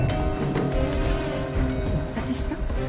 お待たせした？